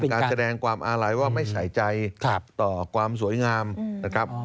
การแสดงความอาลัยว่าไม่ใส่ใจต่อความสวยงามนะครับ